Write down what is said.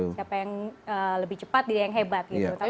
siapa yang lebih cepat dia yang hebat gitu